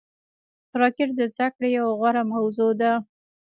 راکټ د زده کړې یوه غوره موضوع ده